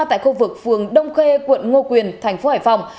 tại khu vực phường đông khê quận ngo quyền thành phố hải phòng